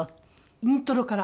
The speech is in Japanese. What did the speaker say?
イントロから。